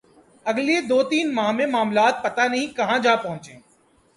اگلے دو تین ماہ میں معاملات پتہ نہیں کہاں جا پہنچیں۔